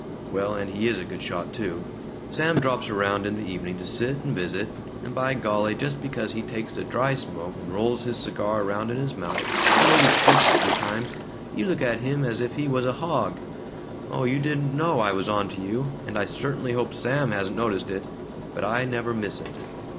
("Well, and he is a good shot, too!) Sam drops around in the evening to sit and visit, and by golly just because he takes a dry smoke and rolls his cigar around in his mouth, and maybe spits a few times, you look at him as if he was a hog. Oh, you didn't know I was onto you, and I certainly hope Sam hasn't noticed it, but I never miss it."